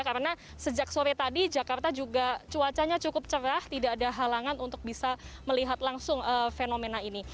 karena sejak sore tadi jakarta juga cuacanya cukup cerah tidak ada halangan untuk bisa melihat langsung fenomena ini